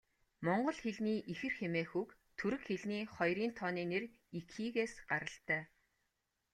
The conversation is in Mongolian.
Монгол хэлний ихэр хэмээх үг түрэг хэлний хоёрын тооны нэр 'ики'-ээс гаралтай.